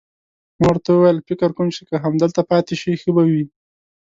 ما ورته وویل: فکر کوم چې که همدلته پاتې شئ، ښه به وي.